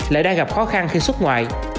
lại đang gặp khó khăn khi xuất ngoại